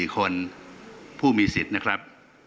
๕๑๒๐๕๖๒๔คนผู้มีสิทธิ์นะครับ